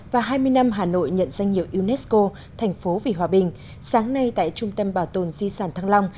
và hai mươi năm hà nội nhận danh hiệu unesco thành phố vì hòa bình sáng nay tại trung tâm bảo tồn di sản thăng long